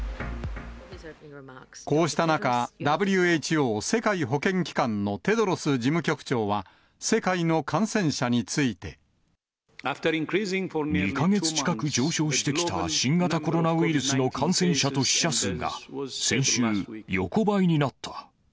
こうした中、ＷＨＯ・世界保健機関のテドロス事務局長は、世界の感染者について。２か月近く上昇してきた新型コロナウイルスの感染者と死者数が、先週、横ばいになった。